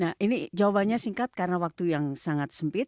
nah ini jawabannya singkat karena waktu yang sangat sempit